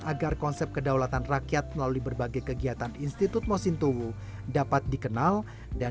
agar konsep kedaulatan rakyat melalui berbagai kegiatan institut mosintowo dapat dikenal dan